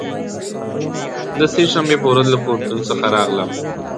د سه شنبې په ورځ له پوهنتون څخه راغلم.